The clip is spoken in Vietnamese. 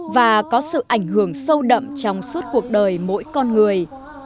và có sự ảnh hưởng sâu đậm trong suốt cuộc đời mỗi con người